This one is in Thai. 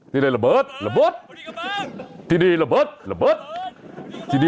นี่แหละระเบิดระเบิด